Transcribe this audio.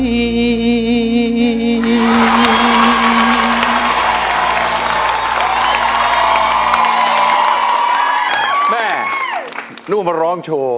แม่นึกว่ามาร้องโชว์